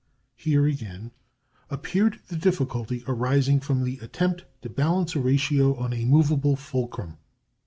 Here, again, appeared the difficulty arising from the attempt to balance a ratio on a movable fulcrum.